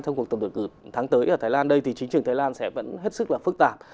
sau cuộc tập đổi cử tháng tới ở thái lan đây thì chính trường thái lan sẽ vẫn hết sức phức tạp